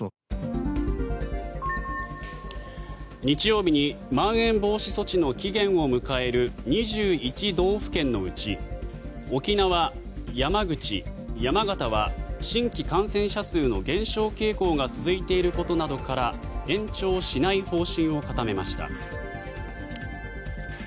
日曜日にまん延防止措置の期限を迎える２１道府県のうち沖縄、山口、山形は新規感染者数の減少傾向が続いていることなどから延長しない方針を固めました。